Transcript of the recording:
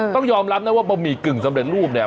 ต้องยอมรับนะว่าบะหมี่กึ่งสำเร็จรูปเนี่ย